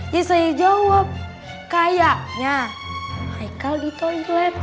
jadi saya jawab kayaknya haikal di toilet